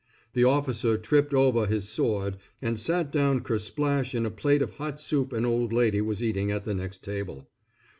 The officer tripped over his sword and sat down ker splash in a plate of hot soup an old lady was eating at the next table.